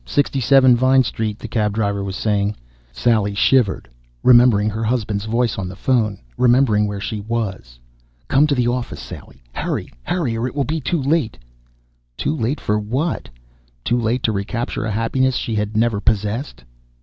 Sixty seven Vine Street," the cab driver was saying. Sally shivered, remembering her husband's voice on the phone, remembering where she was ... "Come to the office, Sally! Hurry, hurry or it will be too late!" Too late for what? Too late to recapture a happiness she had never possessed?